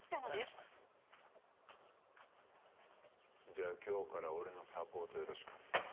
じゃあ今日から俺のサポートよろしく。